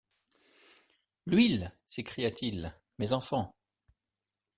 L’huile ! s’écria-t-il ; mes enfants